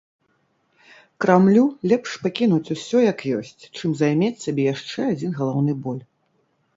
Крамлю лепш пакінуць усё, як ёсць, чым займець сабе яшчэ адзін галаўны боль.